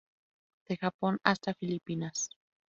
De Japón hasta Filipinas.